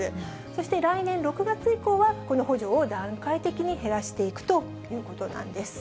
そして、来年６月以降は、この補助を段階的に減らしていくということなんです。